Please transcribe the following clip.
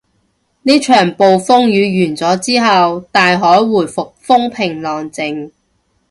呢場暴風雨完咗之後，大海回復風平浪靜